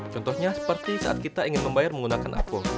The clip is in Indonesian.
contohnya seperti saat kita ingin membayar menggunakan apung